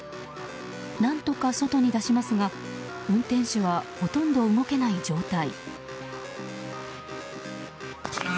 何とか外に出しますが運転手はほとんど動けない状態。